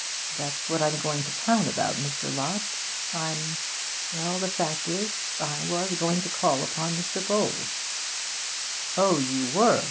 That's what I'm going to town about, Mr. Lott. I'm well, the fact is, I was going to call upon Mr. Bowles.' 'Oh, you were!'